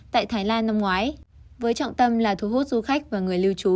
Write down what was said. tại thái lan năm ngoái với trọng tâm là thu hút du khách và người lưu trú